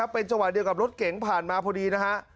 เป็นจังหวะเดียวกับรถเก๋งผ่านมาพอดีนะฮะ